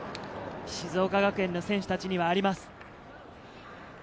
静岡学園の選手たちにはあります。